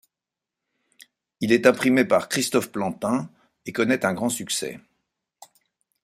Il est imprimé par Christophe Plantin et connaît un grand succès.